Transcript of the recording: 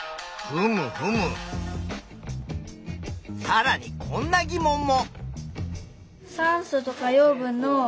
さらにこんな疑問も！